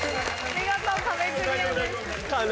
見事壁クリアです。